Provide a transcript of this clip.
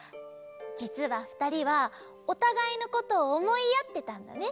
じつはふたりはおたがいのことをおもいあってたんだね。